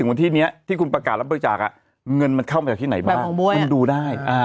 เงินมันเข้ามาจากที่ไหนบ้างแบบของบ๊วยดูได้